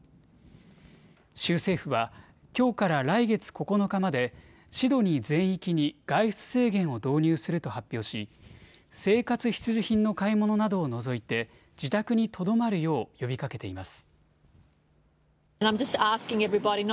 州政府はきょうから来月９日までシドニー全域に外出制限を導入すると発表し生活必需品の買い物などを除いて自宅にとどまるよう呼びかけています。